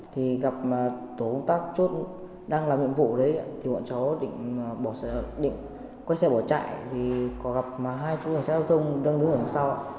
thì gặp tổ công tác chốt đang làm nhiệm vụ đấy thì bọn cháu định quay xe bỏ chạy thì có gặp hai chú cảnh sát giao thông đang đứng ở đằng sau